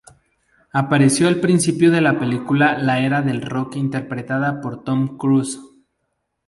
Apareció al principio de la película La era del rock interpretada por Tom Cruise.